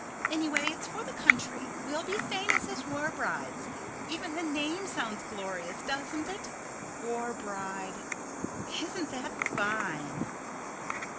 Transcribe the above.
Anyway, it's for the country. We'll be famous, as war brides. Even the name sounds glorious, doesn't it? War bride! Isn't that fine?